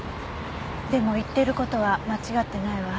でも言っている事は間違ってないわ。